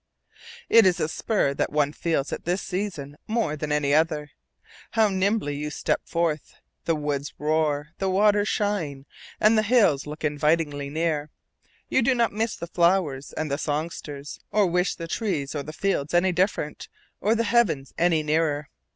It is a spur that one feels at this season more than at any other. How nimbly you step forth! The woods roar, the waters shine, and the hills look invitingly near. You do not miss the flowers and the songsters, or wish the trees or the fields any different, or the heavens any nearer.